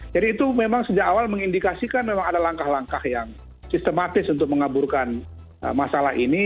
itu memang sejak awal mengindikasikan memang ada langkah langkah yang sistematis untuk mengaburkan masalah ini